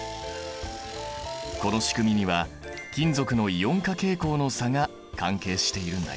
このしくみには金属のイオン化傾向の差が関係しているんだよ。